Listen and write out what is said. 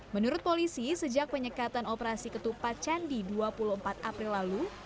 menurut polisi sejak penyekatan operasi ketupat candi dua puluh empat april lalu